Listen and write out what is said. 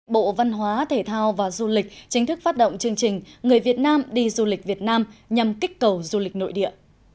bộ văn hóa thể thao và du lịch chính thức phát động chương trình người việt nam đi du lịch việt nam nhằm kích cầu du lịch nội địa